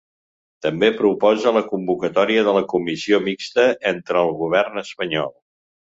També proposa la convocatòria de la comissió mixta entre el govern espanyol.